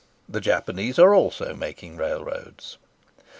The Japanese are also making railroads.